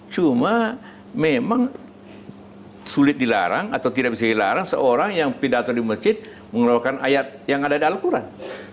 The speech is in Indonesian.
cuma memang sulit dilarang atau tidak bisa dilarang seorang yang pidato di masjid mengeluarkan ayat yang ada di al quran